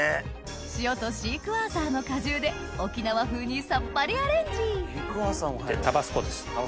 塩とシークワーサーの果汁で沖縄風にさっぱりアレンジタバスコです。